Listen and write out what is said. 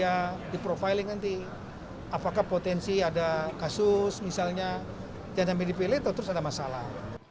apakah potensi ada kasus misalnya jangan ambil dipilih atau terus ada masalah